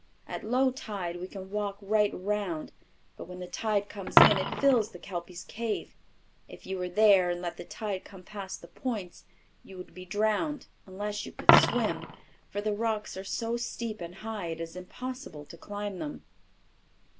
At low tide we can walk right around, but when the tide comes in it fills the Kelpy's Cave. If you were there and let the tide come past the points, you would be drowned unless you could swim, for the rocks are so steep and high it is impossible to climb them."